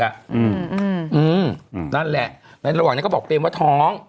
อืมนั่นแหละในระหว่างนั้นก็บอกเตรียมว่าท้อง